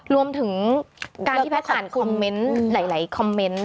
รวมถึงการที่แพทย์อ่านคอมเมนต์